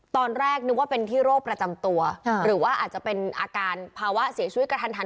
ตอนแรกนึกว่าเป็นที่โรคประจำตัวหรือว่าอาจจะเป็นอาการภาวะเสียชีวิตกระทัน